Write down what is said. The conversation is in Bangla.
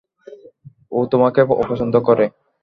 ও তোমাকে অপছন্দ করে।